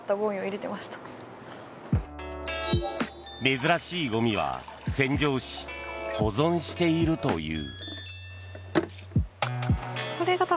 珍しいゴミは洗浄し、保存しているという。